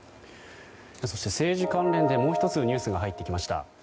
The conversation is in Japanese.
そして政治関連でもう１つニュースが入ってきました。